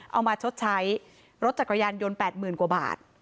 เอามาชดใช้รถจักรยานยนต์แปดหมื่นกว่าบาท